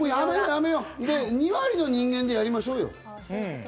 ２割の人間でやりましょうよ。